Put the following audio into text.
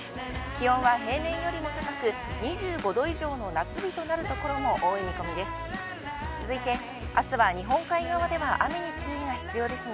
気温は平年よりも高く、２５度以上の夏日となるところも多い見込みです。